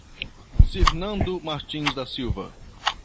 Cirnando Martins da Silva